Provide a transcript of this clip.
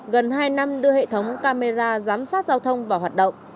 gần hai năm đưa hệ thống camera giám sát giao thông vào hoạt động